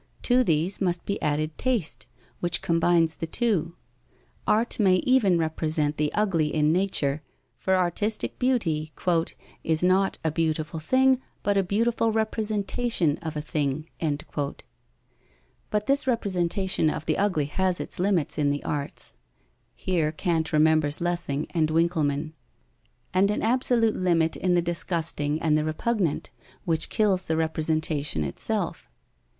To these must be added taste, which combines the two. Art may even represent the ugly in nature, for artistic beauty "is not a beautiful thing but a beautiful representation of a thing." But this representation of the ugly has its limits in the arts (here Kant remembers Lessing and Winckelmann), and an absolute limit in the disgusting and the repugnant, which kills the representation itself.